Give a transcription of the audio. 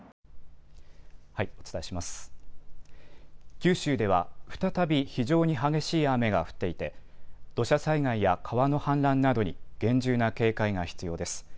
九州では再び非常に激しい雨が降っていて土砂災害や川の氾濫などに厳重な警戒が必要です。